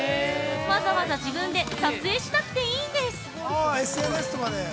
わざわざ自分で撮影しなくていいんです。